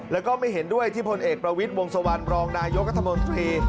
แล้วก็ไม่เห็นด้วยที่พลเอกประวิทย์วงสวรรณรองนายกรัฐมนตรี